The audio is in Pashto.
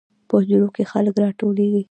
په حجرو کې خلک راټولیږي.